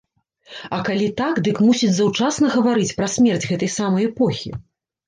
А калі так, дык, мусіць, заўчасна гаварыць пра смерць гэтай самай эпохі?